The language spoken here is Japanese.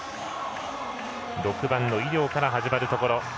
６番の井領から始まるところ。